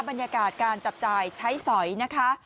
บรรยากาศการจับจ่ายใช้สอยนะคะ